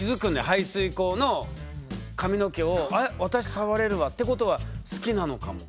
排水溝の髪の毛をあれ私触れるわってことは好きなのかも。